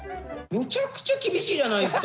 むちゃくちゃ厳しいじゃないですか